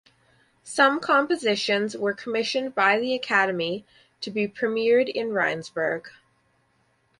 Some compositions were commissioned by the academy to be premiered in Rheinsberg.